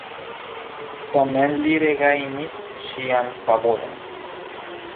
Tamen li regajnis ŝian favoron.